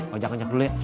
mau jaga jaga dulu ya